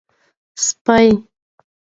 سپۍ